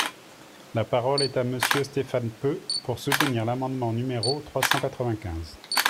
La parole est à Monsieur Stéphane Peu, pour soutenir l’amendement numéro trois cent quatre-vingt-quinze.